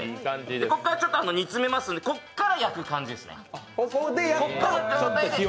ここからちょっと煮詰めますんでここから焼く感じですね。